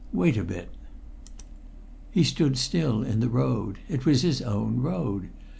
Wait a bit!" He stood still in the road. It was his own road.